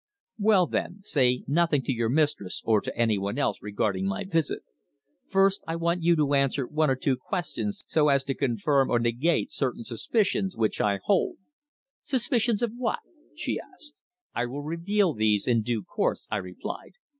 "Well, then, say nothing to your mistress, or to anyone else regarding my visit. First, I want you to answer one or two questions so as to either confirm or negative certain suspicions which I hold." "Suspicions of what?" she asked. "I will reveal those in due course," I replied.